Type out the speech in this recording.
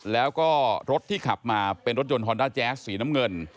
แล้วก็รถที่ขับมาเป็นรถยนต์ฮอนด้าแจ๊สสีน้ำเงิน